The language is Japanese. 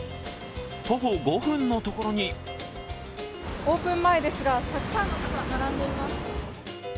徒歩５分の所にオープン前ですが、たくさんの方並んでいます。